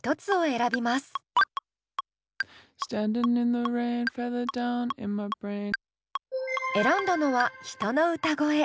選んだのは人の歌声。